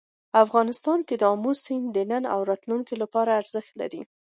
افغانستان کې آمو سیند د نن او راتلونکي لپاره ارزښت لري.